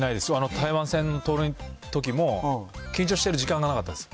台湾戦の盗塁のときも、緊張してる時間がなかったです。